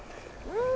うん。